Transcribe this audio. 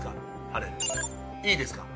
晴いいですか？